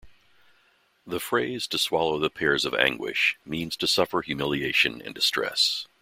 The phrase "to swallow the pears of anguish" means to suffer humiliations and distress.